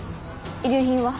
遺留品は？